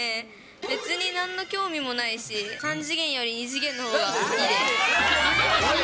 別になんの興味もないし、３次元より２次元のほうがいいです。